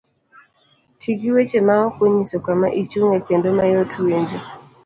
Ti gi weche maok onyiso kama ichung'ye kendo mayot winjo.